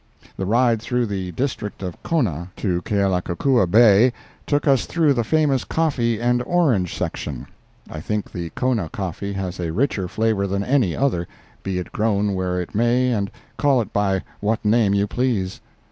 The ride through the district of Kona to Kealakekua Bay took us through the famous coffee and orange section. I think the Kona coffee has a richer flavor than any other, be it grown where it may and call it by what name you please.